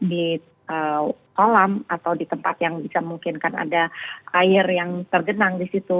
di kolam atau di tempat yang bisa memungkinkan ada air yang tergenang di situ